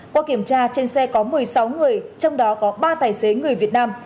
qua kiểm tra trên xe có một mươi sáu người trong đó có ba tài xế người việt nam